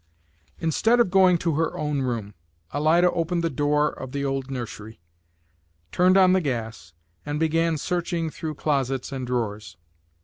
Instead of going to her own room, Alida opened the door of the old nursery, turned on the gas, and began searching through closets and drawers.